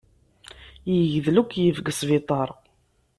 Yegdel ukeyyef deg sbiṭaṛ.